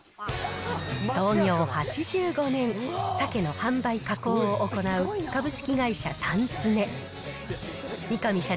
創業８５年、鮭の販売加工を行う株式会社三恒。